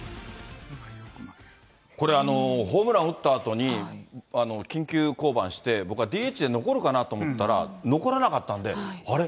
これ、ホームランを打ったあとに緊急降板して、僕はＤＨで残るかなと思ったら、残らなかったんで、あれ？